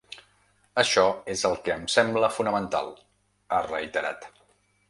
“Això és el que ens sembla fonamental”, ha reiterat.